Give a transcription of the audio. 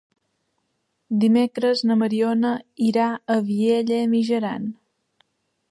Dimecres na Mariona irà a Vielha e Mijaran.